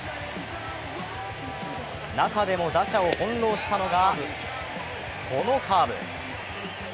中でも打者を翻弄したのがこのカーブ。